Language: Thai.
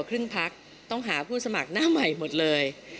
ครึ่งพักต้องหาผู้สมัครหน้าใหม่หมดเลย